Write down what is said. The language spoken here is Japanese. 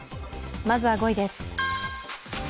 まずは５位です。